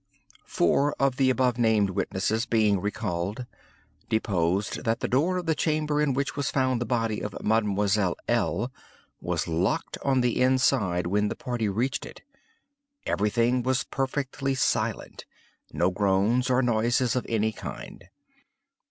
"Four of the above named witnesses, being recalled, deposed that the door of the chamber in which was found the body of Mademoiselle L. was locked on the inside when the party reached it. Every thing was perfectly silent—no groans or noises of any kind.